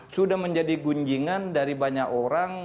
sudah menjadi gunjingan dari banyak orang